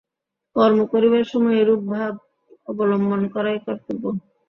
কর্ম করিবার সময় এইরূপ ভাব অবলম্বন করাই কর্তব্য।